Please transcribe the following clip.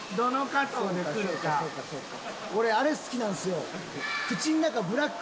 俺あれ好きなんですよ。